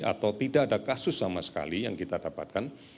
atau tidak ada kasus sama sekali yang kita dapatkan